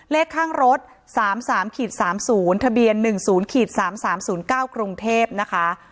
เลขข้างรถ๓๓๓๐ทะเบียน๑๐๓๓๐๙กรุงเทพนะคะ